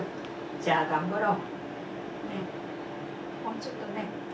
じゃあ頑張ろう。